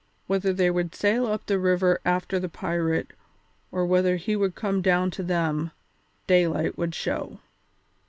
Whether they would sail up the river after the pirate or whether he would come down to them, daylight would show.